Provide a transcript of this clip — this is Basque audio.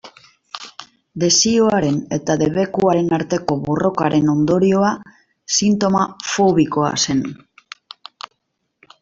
Desioaren eta debekuaren arteko borrokaren ondorioa sintoma fobikoa zen.